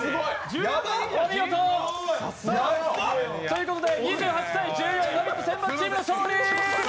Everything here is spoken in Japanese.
お見事！ということで２８−１４、選抜チームの勝利！